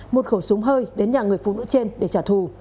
một khẩu súng hơi đến nhà người phụ nữ trên để trả thù